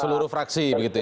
seluruh fraksi begitu ya